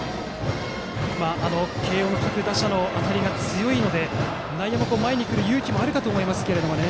慶応の各打者の当たりが強いので内野も、前に来る勇気もあるかと思いますけどね。